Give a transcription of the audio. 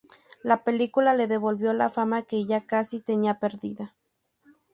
La película le devolvió la fama que ya casi tenía perdida.